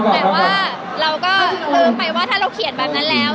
แต่ว่าเราก็ลืมไปว่าถ้าเราเขียนแบบนั้นแล้ว